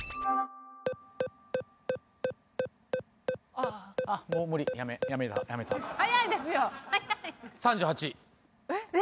ああもう無理やめやめたはやいですよはやいえっ？